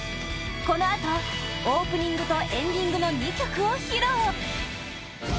このあとオープニングとエンディングの２曲を披露